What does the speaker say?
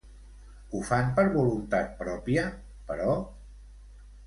Ho fan per voluntat pròpia, però?